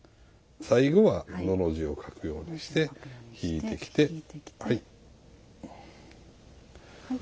最後は「の」の字を書くようにして引いてきて。